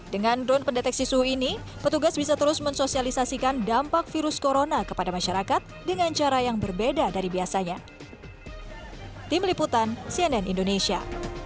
dengan drone pendeteksi suhu ini petugas bisa terus mensosialisasikan dampak virus corona kepada masyarakat dengan cara yang berbeda dari biasanya